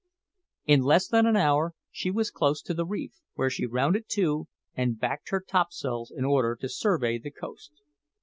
In less than an hour she was close to the reef, where she rounded to and backed her topsails in order to survey the coast.